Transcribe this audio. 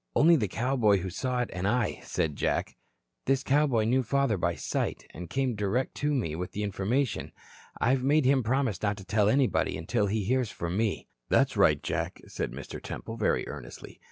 "Only the cowboy who saw it and I," said Jack. "This cowboy knew father by sight, and came direct to me with the information. I've made him promise not to tell anybody until he hears from me." "That's right, Jack," said Mr. Temple, very earnestly.